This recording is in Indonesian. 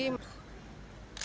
sebagian besar menyetujui